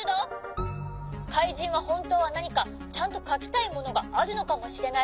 かいじんはほんとうはなにかちゃんとかきたいものがあるのかもしれない」。